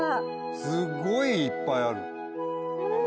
すごいいっぱいある！